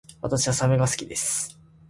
私はサメが好きです